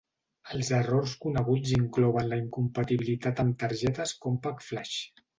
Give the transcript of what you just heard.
Els errors coneguts inclouen la incompatibilitat amb targetes CompactFlash.